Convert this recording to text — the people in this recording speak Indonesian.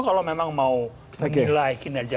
kalau memang mau menilai kinerja